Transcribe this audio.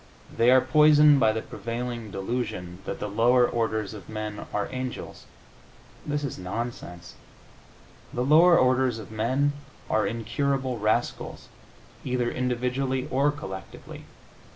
They are poisoned by the prevailing delusion that the lower orders of men are angels. This is nonsense. The lower orders of men are incurable rascals, either individually or collectively.